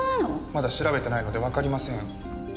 まだ調べてないのでわかりません。